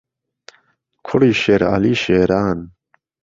کوڕی شێرعەلی شێران